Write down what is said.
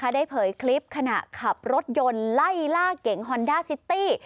เผยคลิปขณะขับรถยนต์ไล่ล่าเก๋งฮอนด้าซิตี้